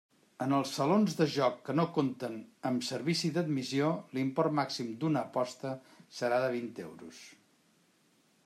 En els salons de joc que no compten amb servici d'admissió l'import màxim d'una aposta serà de vint euros.